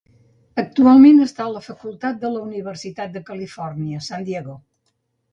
Actualment està a la facultat de la Universitat de Califòrnia, San Diego.